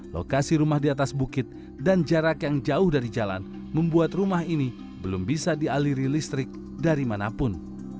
lokasi rumah di atas bukit dan jarak yang jauh dari jalan membuat rumah ini belum bisa dialiri listrik dari manapun